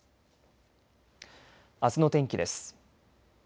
あすの天気です。